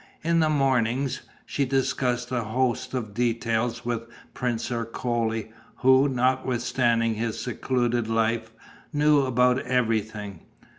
In the mornings, she discussed a host of details with Prince Ercole, who, notwithstanding his secluded life, knew about everything.